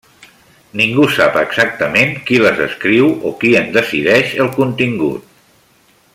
Ningú sap exactament qui les escriu o qui en decideix el contingut.